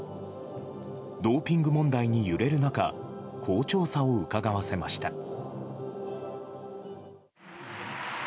ドーピング問題に揺れる中好調さをうかがわせました。